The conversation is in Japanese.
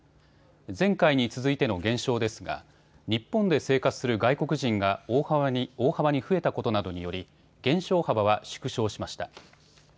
前回に続いての減少ですが日本で生活する外国人が大幅に増えたことなどにより減少幅は縮小しました。